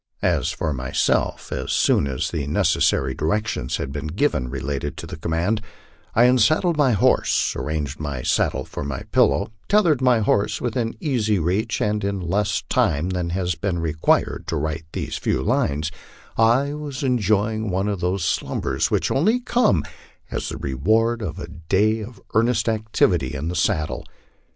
As for myself, as soon as the necessary direc tions had been given relating to the command, I unsaddled my horse, arranged my saddle for my pillow, tethered my horse within easy reach, and in less time than has been required to write these few lines, I was enjoying one of those slumbers which only come as the reward of a day of earnest activity in the saddle.